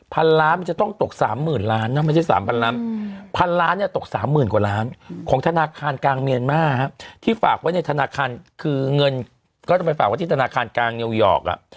พันล้านมันจะต้องตกสามหมื่นล้านนะไม่ใช่สามพันล้านพันล้านเนี่ยตกสามหมื่นกว่าล้านของธนาคารกลางเมียนมาที่ฝากไว้ในธนาคารคือเงินก็ต้องไปฝากไว้ที่ธนาคารกลางนิวยอร์ก